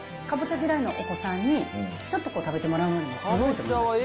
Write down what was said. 嫌いのお子さんにちょっと食べてもらうのにもすごくいいと思います。